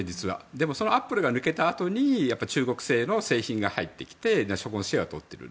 でもそのアップルが抜けたあとに中国製の製品が入ってきてそこのシェアをとってくる。